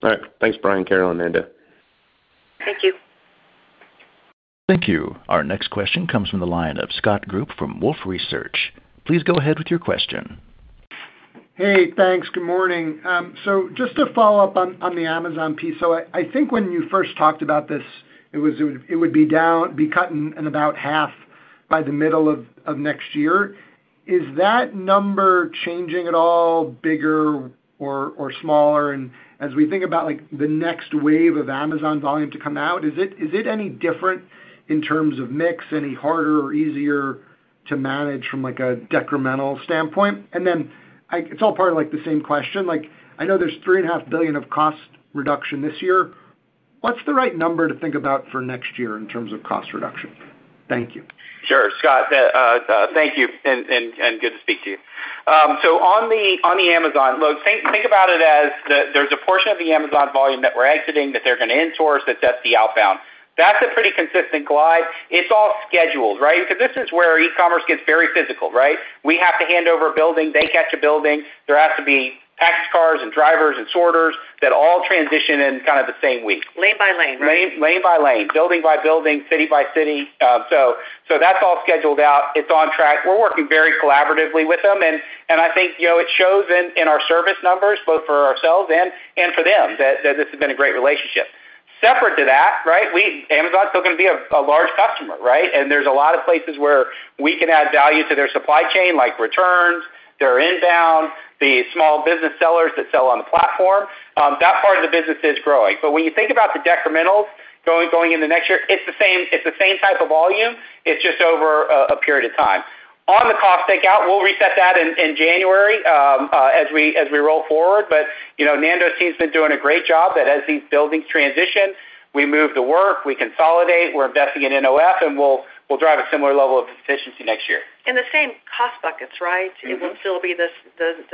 All right, thanks, Brian, Carol and Amanda. Thank you. Thank you. Our next question comes from the line of Scott Group from Wolfe Research. Please go ahead with your question. Hey, thanks. Good morning. Just to follow up on the Amazon piece, I think when you first talked about this, it would be cut in about half by the middle of next year. Is that number changing at all, bigger or smaller? As we think about the next wave of Amazon volume to come out, is it any different in terms of mix, any harder or easier to manage from a decremental standpoint? It's all part of the same question. I know there's $3.5 billion of cost reduction this year. What's the right number to think about for next year in terms of cost reduction? Thank you. Thank you. Good to speak to you. On the Amazon look, think about it as there's a portion of the Amazon volume that we're exiting, that they're going to insource. That's the outbound. That's a pretty consistent glide. It's all scheduled, right? This is where e-commerce gets very physical, right. We have to hand over a building, they catch a building. There has to be tax cars and drivers and sorters that all transition in kind of the same week. Lane by lane, right? Lane by lane, building by building, city by city. That is all scheduled out. It is on track. We are working very collaboratively with them. I think it shows in our service numbers, both for ourselves and for them, that this has been a great relationship. Separate to that, Amazon is still going to be a large customer. There are a lot of places where we can add value to their supply chain, like returns, their inbound, the small business sellers that sell on the platform. That part of the business is growing. When you think about the decrementals going into next year, it is the same type of volume. It is just over a period of time on the cost takeout. We will reset that in January as we roll forward. Nando's team's been doing a great job that as these buildings transition, we move the work, we consolidate. We are investing in NoF and we will drive a similar level of efficiency next year. The same cost buckets remain. It will still be the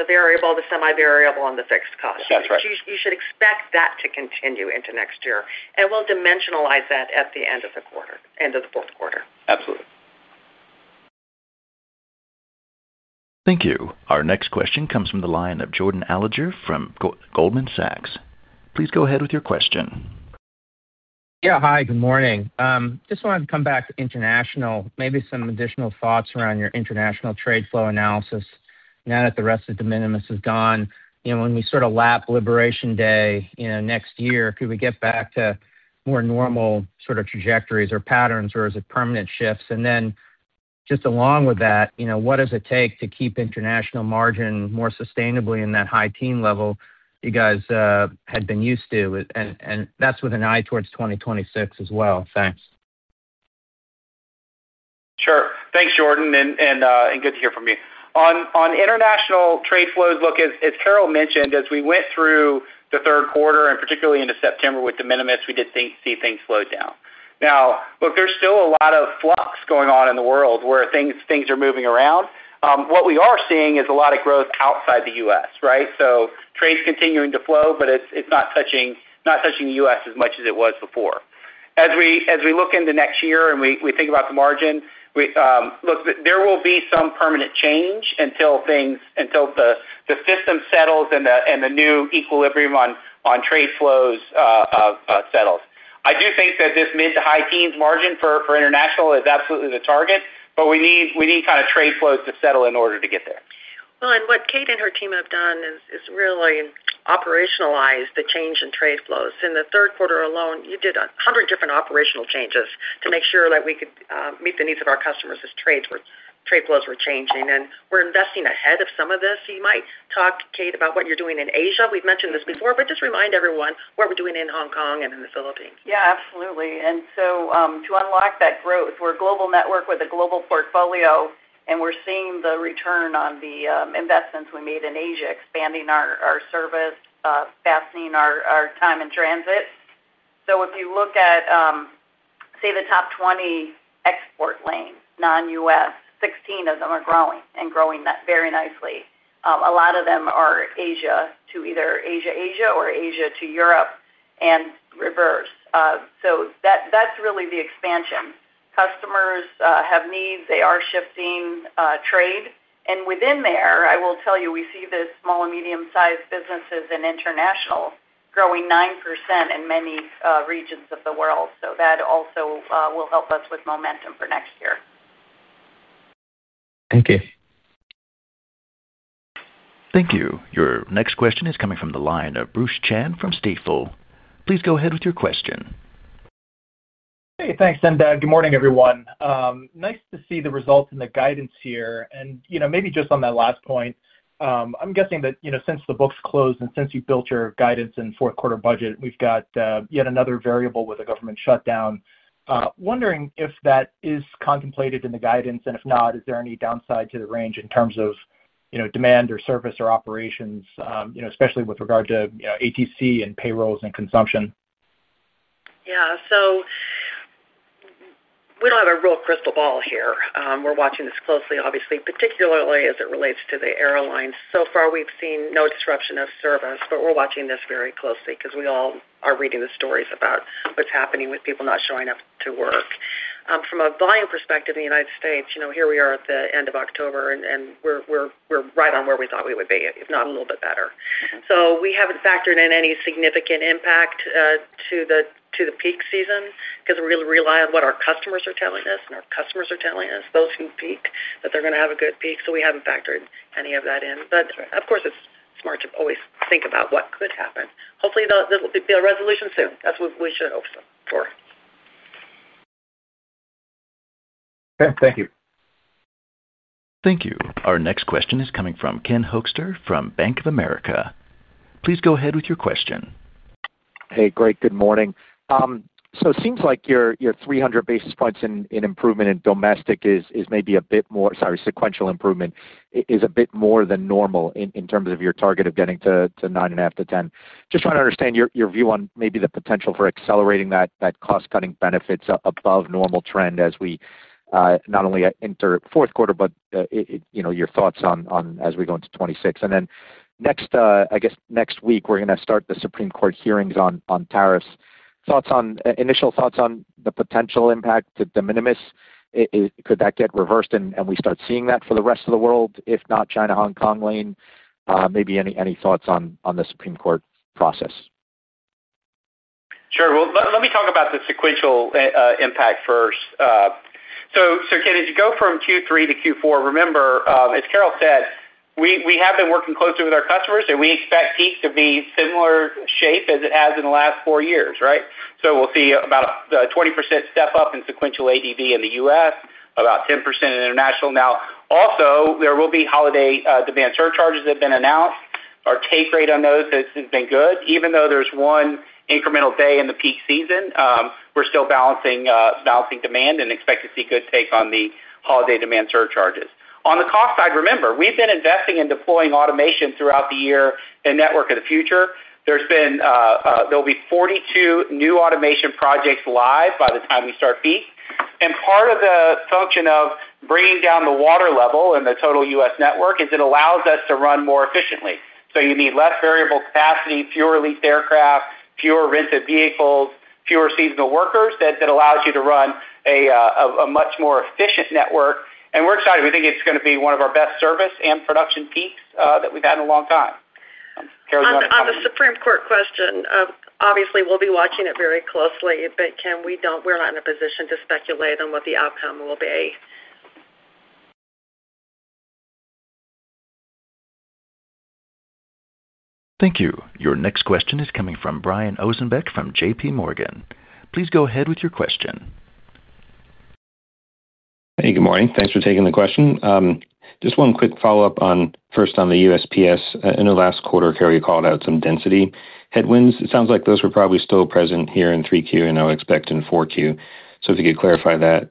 variable, the semi-variable, and the fixed cost. That's right. You should expect that to continue into next year, and we'll dimensionalize that at the end of the quarter, end of the fourth quarter. Absolutely. Thank you. Our next question comes from the line of Jordan Alliger from Goldman Sachs. Please go ahead with your question. Yeah, hi, good morning. Just wanted to come back to international, maybe some additional thoughts around your international trade flow analysis now that the rest of de minimis is gone. You know, when we sort of lap Liberation Day next year, could we get back to more normal sort of trajectories or patterns, or is it permanent shifts? Along with that, you know, what does it take to keep international margin more sustainably in that high teen level you guys had been used to? That's with an eye towards 2026 as well. Thanks. Sure. Thanks, Jordan, and good to hear from you on international trade flows. Look, as Carol mentioned, as we went through the third quarter and particularly into September with de minimis, we did see things slow down. Now, look, there's still a lot of flux going on in the world where things are moving around. What we are seeing is a lot of growth outside the U.S., right. Trade's continuing to flow, but it's not touching the U.S. as much as it was before. As we look into next year and we think about the margin, there will be some permanent change until the system settles and the new equilibrium on trade flows settles. I do think that this mid to high teens margin for international is absolutely the target, but we need kind of trade flows to settle in order to get there. What Kate and her team have done is really operationalize the change in trade flows. In the third quarter alone, you did 100 different operational changes to make sure that we could meet the needs of our customers as trade flows were changing, and we're investing ahead of some of this. You might talk, Kate, about what you're doing in Asia. We've mentioned this before, but just remind everyone what we're doing in Hong Kong and in the Philippines. Yeah, absolutely. To unlock that growth, we're a global network with a global portfolio. We're seeing the return on the investments we made in Asia, expanding our service, fastening our time in transit. If you look at, say, the top 20 export lanes, non-U.S., 16 of them are growing and growing very nicely. A lot of them are Asia to either Asia, Asia or Asia to Europe and reverse. That's really the expansion. Customers have needs, they are shifting trade, and within there, I will tell you, we see the small and medium sized businesses and International growing 9% in many regions of the world. That also will help us with momentum for next year. Thank you. Thank you. Your next question is coming from the line of Bruce Chan from Stifel. Please go ahead with your question. Hey, thanks. Good morning everyone. Nice to see the results and the guidance here. Maybe just on that last point, I'm guessing that, since the books closed and since you built your guidance and fourth quarter budget, we've got yet another variable with a government shutdown. Wondering if that is contemplated in the guidance and if not, is there any downside to the range in terms of demand or service or operations, especially with regard to ATC and payrolls and consumption? We don't have a real crystal ball here. We're watching this closely, obviously, particularly as it relates to the airlines. So far we've seen no disruption of service, but we're watching this very closely because we all are reading the stories about what's happening with people not showing up to work from a volume perspective in the United States. Here we are at the end of October and we're right on where we thought we would be, if not a little bit better. We haven't factored in any significant impact to the peak season because we rely on what our customers are telling us and our customers are telling us, those who peak, that they're going to have a good peak. We haven't factored any of that in. Of course, it's smart to always think about what could happen. Hopefully there will be a resolution soon. That's what we should hope for. Thank you. Thank you. Our next question is coming from Ken Hoexster from Bank of America. Please go ahead with your question. Hey, great. Good morning. It seems like your 300 basis points in improvement in domestic is maybe a bit more. Sorry, sequential improvement is a bit more than normal in terms of your target of getting to 9.5%-10%. Just trying to understand your view on maybe the potential for accelerating that cost cutting benefits above normal trend as we not only enter fourth quarter but your thoughts on as we go into 2026 and then next week we're going to start the Supreme Court hearings on tariffs. Initial thoughts on the potential impact to de minimis. Could that get reversed and we start seeing that for the rest of the world, if not China, Hong Kong Lane, maybe any thoughts on the Supreme Court process? Sure. Let me talk about the sequential impact first. Ken, as you go from Q3 to Q4, remember as Carol said, we have been working closely with our customers and we expect peak to be similar shape as it has in the last four years. Right. We'll see about 20% step up in sequential ADB in the U.S., about 10% in international. There will also be holiday demand surcharges that have been announced. Our take rate on those has been good. Even though there's one incremental day in the peak season, we're still balancing demand and expect to see good take on the holiday demand surcharges. On the cost side, remember, we've been investing in deploying automation throughout the year and network of the future. There will be 42 new automation projects live by the time we start peak. Part of the function of bringing down the water level in the total U.S. network is it allows us to run more efficiently. You need less variable capacity, fewer leased aircraft, fewer rented vehicles, fewer seasonal workers. That allows you to run a much more efficient network. We're excited. We think it's going to be one of our best service and production peaks that we've had in a long time. On the Supreme Court question, obviously we'll be watching it very closely, but Ken, we're not in a position to speculate on what the outcome will be. Thank you. Your next question is coming from Brian Ossenbeck from JPMorgan. Please go ahead with your question. Hey, good morning. Thanks for taking the question. Just one quick follow up, first, on the USPS in the last quarter, Carol, you called out some density headwinds. It sounds like those were probably still present here in 3Q, and I would expect in 4Q. If you could clarify that.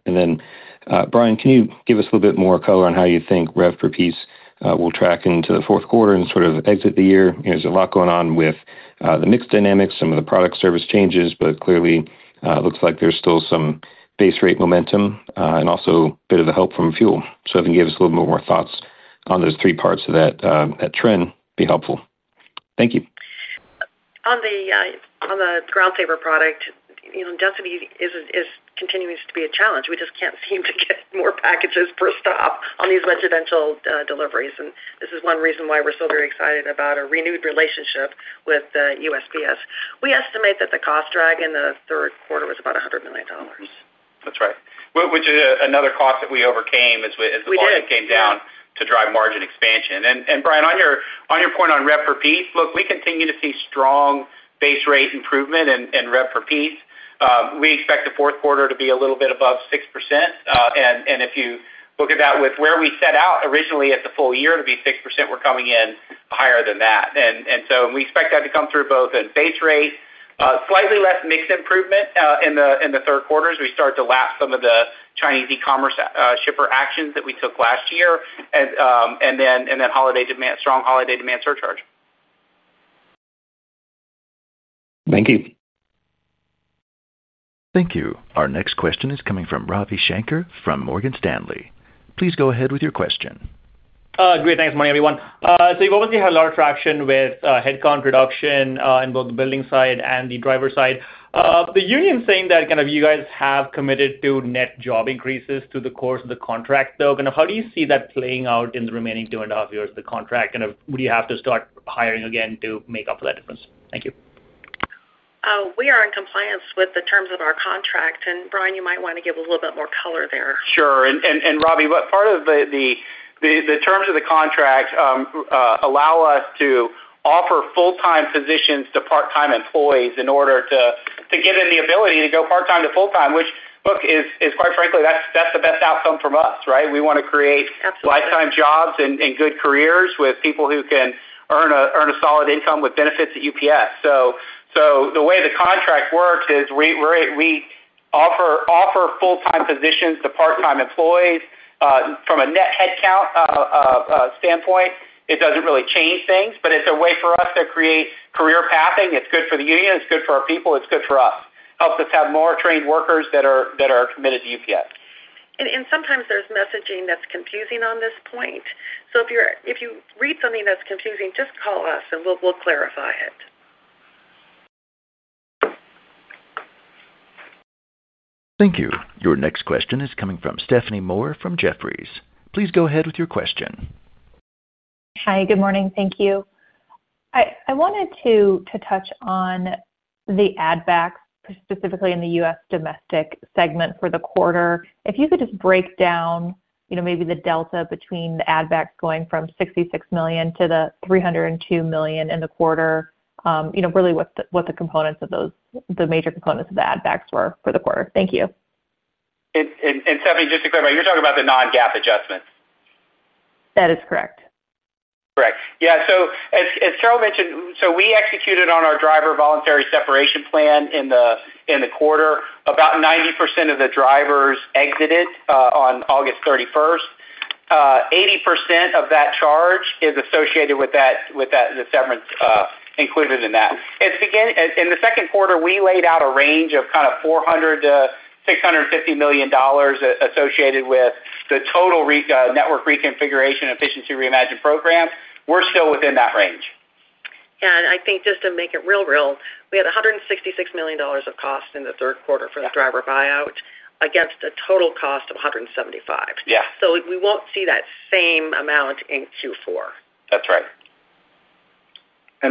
Brian, can you give us a little bit more color on how you think rev per piece will track into the fourth quarter and sort of exit the year? There's a lot going on with the mix dynamics, some of the product service changes, but clearly it looks like there's still some base rate momentum and also a bit of the help from fuel. If you can give us a little more thoughts on those three parts of that trend, be helpful. Thank you. On the Ground Saver product, density continues to be a challenge. We just can't seem to get more packages per stop on these residential deliveries. This is one reason why we're so very excited about a renewed relationship with the United States Postal Service. We estimate that the cost drag in the third quarter was about $100 million. That's right, which is another cost that we overcame as the volume came down to drive margin expansion. Brian, on your point on rev per piece, look, we continue to see strong base rate improvement in rev per piece. We expect the fourth quarter to be a little bit above 6%. If you look at that with where we set out originally at the full year to be 6%, we're coming in higher than that. We expect that to come through both in base rate, slightly less mix improvement in the third quarter as we start to lap some of the Chinese e-commerce shipper actions that we took last year. Then holiday demand, strong holiday demand surcharge. Thank you. Thank you. Our next question is coming from Ravi Shanker from Morgan Stanley. Please go ahead with your question. Great, thanks. Morning everyone. You've obviously had a lot of traction with headcount reduction in both the building side and the driver side. The union saying that you guys have committed to net job increases through the course of the contract. How do you see that playing out in the remaining two and a half years of the contract? Would you have to start hiring again to make up for that difference? Thank you. We are in compliance with the terms of our contract. Brian, you might want to give a little bit more color there. Sure. Ravi, part of the terms of the contract allow us to offer full-time positions to part-time employees in order to give them the ability to go part-time to full-time, which, quite frankly, that's the best outcome for us. Right. We want to create lifetime jobs and good careers with people who can earn a solid income with benefits at UPS. The way the contract works is we offer full-time positions to part-time employees. From a net headcount standpoint, it doesn't really change things, but it's a way for us to create career pathing. It's good for the union, it's good for our people, it's good for us, and it helps us have more trained workers that are committed to UPS. And sometimes there are messaging that is confusing on this point. If you read something that's confusing, just call us and we'll clarify it. Thank you. Your next question is coming from Stephanie Moore from Jefferies. Please go ahead with your question. Hi, good morning. Thank you. I wanted to touch on the add backs specifically in the U.S. domestic segment for the quarter. If you could just break down, you know, maybe the delta between the add backs going from $66 million to the $302 million in the quarter. You know, really what the components of those, the major components of the add backs were for the quarter. Thank you. Stephanie, just to clarify, you're talking about the non-GAAP adjustments? That is correct. Correct. Yeah. As Carol mentioned, we executed on our driver voluntary separation plan in the quarter. About 90% of the drivers exited on August 31st. 80% of that charge is associated with that, severance included in that. In the second quarter, we laid out a range of $400 million, $650 million associated with the total network reconfiguration efficiency reimagined program. We're still within that range. And I think just to make it real, we had $166 million of cost in the third quarter for the driver buyout against a total cost of $175 million. Yeah. We won't see that same amount in Q4. That's right.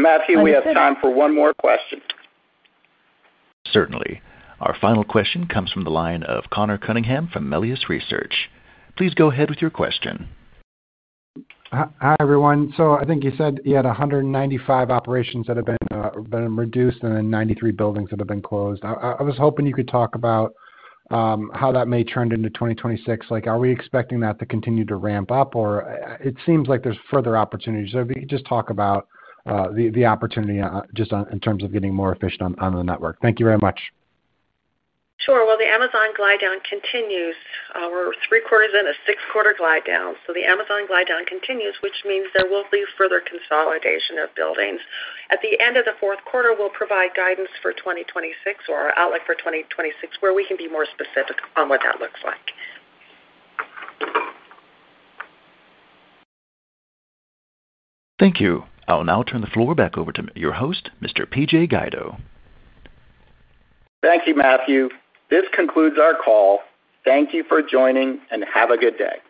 Matthew, we have time for one more question. Certainly. Our final question comes from the line of Conor Cunningham from Melius Research. Please go ahead with your question. Hi everyone. I think you said you had 195 operations that have been reduced and then 93 buildings that have been closed. I was hoping you could talk about how that may trend into 2026. Are we expecting that to continue to ramp up? It seems like there's further opportunities. If you could just talk about the opportunity in terms of getting more efficient on the network. Thank you very much. Sure. The Amazon glide-down continues. We're three quarters in a six quarter glide-down. The Amazon glide-down continues, which means there will be further consolidation of buildings at the end of the fourth quarter. We'll provide guidance for 2026 or our outlook for 2026 where we can be more specific on what that looks like. Thank you. I'll now turn the floor back over to your host, Mr. PJ Guido. Thank you, Matthew. This concludes our call. Thank you for joining and have a good day.